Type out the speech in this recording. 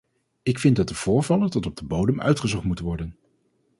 Ik vind dat de voorvallen tot op de bodem uitgezocht moeten worden.